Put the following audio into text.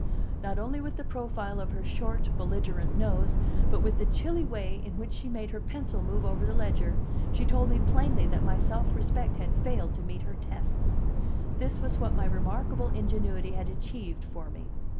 Not only with the profile of her short, belligerent nose, but with the chilly way in which she made her pencil move over the ledger, she told me plainly that my self respect had failed to meet her tests. This was what my remarkable ingenuity had achieved for me.